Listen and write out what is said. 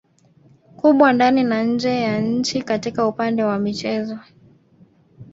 kubwa ndani na nje ya nchi katika upande wa michezo